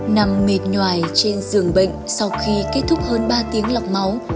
nằm mệt nhòai trên giường bệnh sau khi kết thúc hơn ba tiếng lọc máu